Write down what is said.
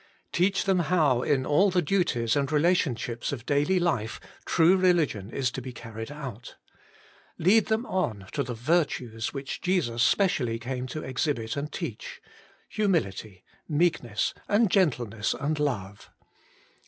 Teach them how in all the duties and rela tionships of daily life true religion is to bt carried out. Lead them on to the virtues which Jesus specially came to exhibit and teach — humility, meekness and gentleness and love.